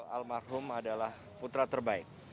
almarhum adalah putra terbaik